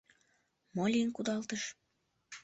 Мо лийын кудалтыш?